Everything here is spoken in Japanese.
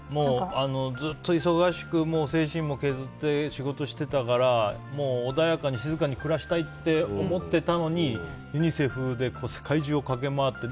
ずっと忙しく、精神も削って仕事してたからもう穏やかに、静かに暮らしたいって思ってたのにユニセフで世界中を駆け回って。